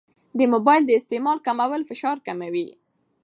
د موبایل د استعمال کمول فشار کموي.